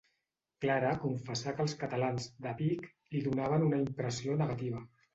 Clara confessà que els catalans "de Vic" li donaven una impressió negativa.